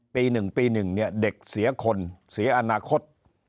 ปีหนึ่งปีหนึ่งเนี่ยเด็กเสียคนเสียอนาคต